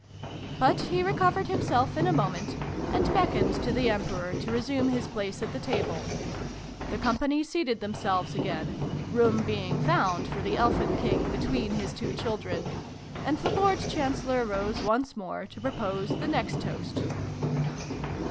But he recovered himself in a moment, and beckoned to the Emperor to resume his place at the table. The company seated themselves again room being found for the Elfin King between his two children and the Lord Chancellor rose once more, to propose the next toast.